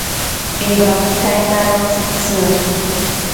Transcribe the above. Piwawisainaro tsitsi.